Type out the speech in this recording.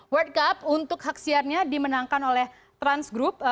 world cup untuk haksiannya dimenangkan oleh trans group